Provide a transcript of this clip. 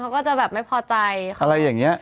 คือถ้าแตะนิดนึงเขาก็จะแบบไม่พอใจเขา